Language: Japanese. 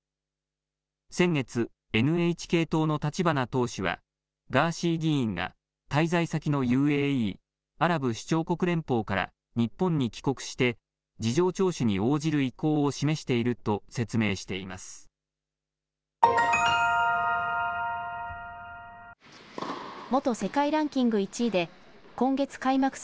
先月、ＮＨＫ党の立花党首はガーシー議員が滞在先のＵＡＥ・アラブ首長国連邦から日本に帰国して事情聴取に応じる意向を示していると説明しています。